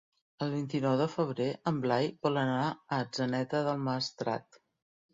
El vint-i-nou de febrer en Blai vol anar a Atzeneta del Maestrat.